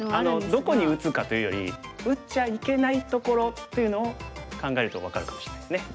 どこに打つかというより打っちゃいけないところっていうのを考えると分かるかもしれないですね。